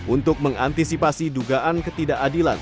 untuk mengantisipasi dugaan ketidakadilan